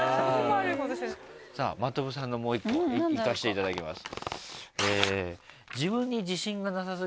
さぁ真飛さんのもう１個いかせていただきます。